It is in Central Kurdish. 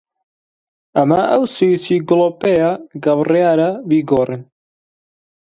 ئەمە ئەو سویچی گڵۆپەیە کە بڕیارە بیگۆڕین.